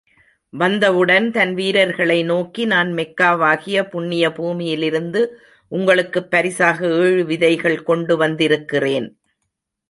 வந்தவுடன் தன் வீரர்களை நோக்கி, நான் மெக்காவாகிய புண்ணிய பூமியிலிருந்து உங்களுக்குப் பரிசாக ஏழு விதைகள் கொண்டு வந்திருக்கிறேன்.